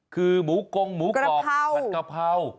คือหมูกงหมูกรอบผัดกะเพรา